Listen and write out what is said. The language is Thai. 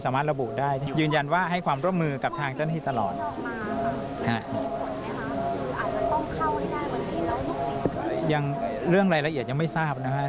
รวมทางไม่ยืนยันว่าพระธรรมชโยยังอยู่ภายในวัดค่ะ